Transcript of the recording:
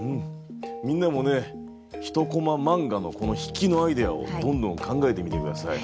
みんなもね１コマ漫画のこの引きのアイデアをどんどん考えてみて下さい。